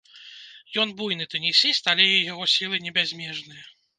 Ён буйны тэнісіст, але і яго сілы не бязмежныя.